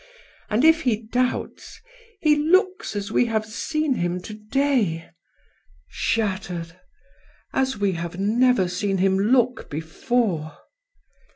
And if he doubts, he looks as we have seen him to day." " Shattered: as we have never seen him look before."